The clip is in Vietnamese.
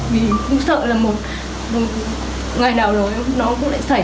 vì cũng sợ là một ngày nào đó nó cũng lại xảy đến